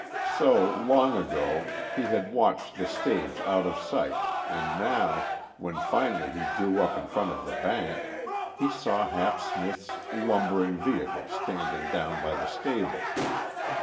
So, long ago, he had watched the stage out of sight and now, when finally he drew up in front of the bank, he saw Hap Smith's lumbering vehicle standing down by the stable.